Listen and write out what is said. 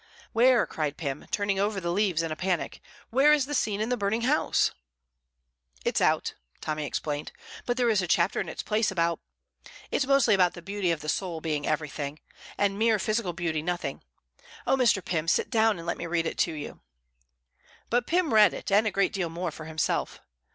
"Where," cried Pym, turning over the leaves in a panic, "where is the scene in the burning house?" "It's out," Tommy explained, "but there is a chapter in its place about it's mostly about the beauty of the soul being everything, and mere physical beauty nothing. Oh, Mr. Pym, sit down and let me read it to you." But Pym read it, and a great deal more, for himself.